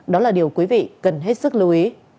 đó là điều quý vị cần hết sức lưu ý